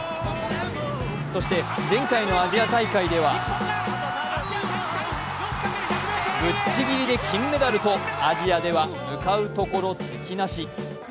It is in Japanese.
そして前回のアジア大会ではぶっちぎりで金メダルとアジアでは向かうところ敵なし。